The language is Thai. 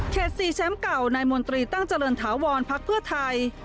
๔แชมป์เก่านายมนตรีตั้งเจริญถาวรพักเพื่อไทย